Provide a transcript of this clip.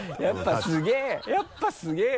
やっぱすげぇ！